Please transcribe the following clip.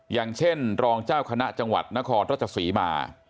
อย่างเช่นรองเจ้าคณะจังหวัดนครราชศรีมา